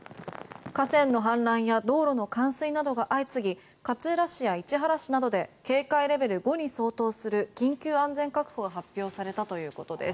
河川の氾濫や道路の冠水などが相次ぎ勝浦市や市原市などで警戒レベル５に相当する緊急安全確保が発表されたということです。